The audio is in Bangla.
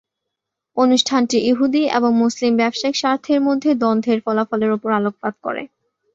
অনুষ্ঠানটি ইহুদি এবং মুসলিম ব্যবসায়িক স্বার্থের মধ্যে দ্বন্দ্বের ফলাফলের উপর আলোকপাত করে।